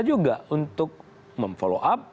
juga untuk memfollow up